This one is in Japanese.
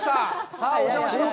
さあ、お邪魔します。